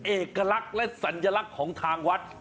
เอกลักษณ์และสัญลักษณ์ของทางวัด